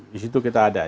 di situ kita ada